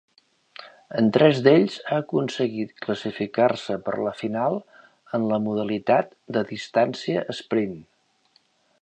En tres d'ells ha aconseguit classificar-se per la final en la modalitat de distància esprint.